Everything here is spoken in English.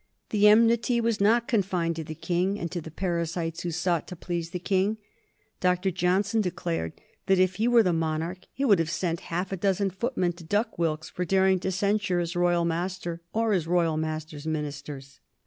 The enmity was not confined to the King and to the parasites who sought to please the King. Dr. Johnson declared that if he were the monarch he would have sent half a dozen footmen to duck Wilkes for daring to censure his royal master or his royal master's ministers.